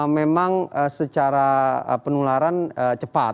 memang secara penularan cepat